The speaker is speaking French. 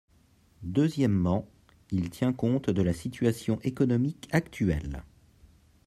Deuxièmement, il tient compte de la situation économique actuelle.